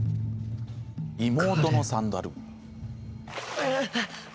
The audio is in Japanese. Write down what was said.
妹のサンダル。